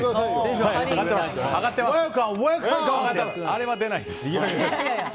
あれは出ないです。